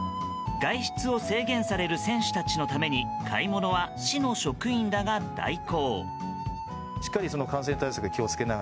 外出を制限される選手たちのために買い物は市の職員らが代行。